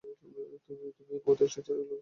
তুমি এই মুহুর্তে স্ট্রেচারের নিচে লুকিয়ে পড়ো।